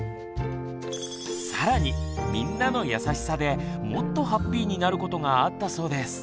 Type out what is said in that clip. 更に「みんなの優しさ」でもっとハッピーになることがあったそうです。